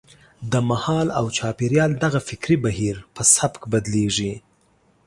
د مهال او چاپېریال دغه فکري بهیر په سبک بدلېږي.